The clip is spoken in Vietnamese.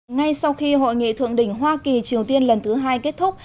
ngay sau khi hội nghị thượng đỉnh hoa kỳ triều tiên lần thứ hai kết thúc